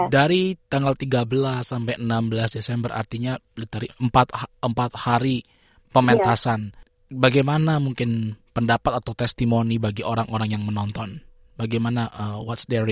dari tanggal tiga belas sampai enam belas desember